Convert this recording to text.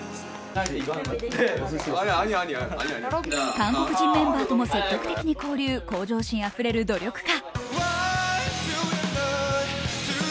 韓国人メンバーとも積極的に交流、向上心あふれる努力家。